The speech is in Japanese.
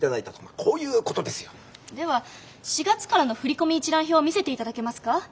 では４月からの振込一覧表を見せて頂けますか？